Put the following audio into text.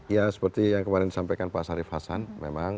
ya seperti yang kemarin disampaikan pak sarif hasan memang